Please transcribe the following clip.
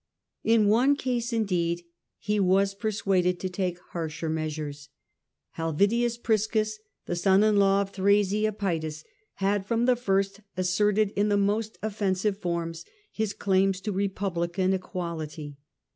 In one case, indeed, he was persuaded to take harsher measures. Helvidius Priscus, the son in law of Thrasea Psetus, had from the first asserted in the most offensive forms his claims to republican equality.